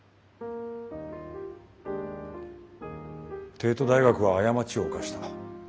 帝都大学は過ちを犯した。